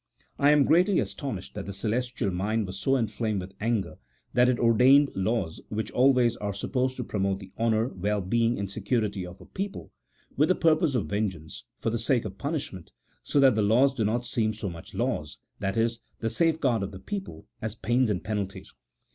I am greatly astonished that the celestial mind was so inflamed with anger that it ordained laws, which always are supposed to promote the honour, well being, and security of a people, with the purpose of vengeance, for the sake of punishment ; so that the laws do not seem so much laws — that is, the safeguard of the people — as pains and penalties.